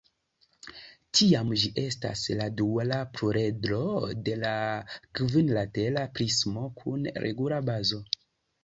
Tiam gi estas la duala pluredro de la kvinlatera prismo kun regula bazo.